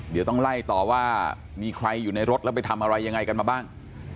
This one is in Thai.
เดี๋ยวต้องไล่ต่อว่ามีใครอยู่ในรถแล้วไปทำอะไรยังไงกันมาบ้าง